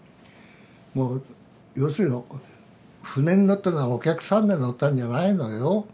もう要するに船に乗ったのはお客さんで乗ったんじゃないのよ。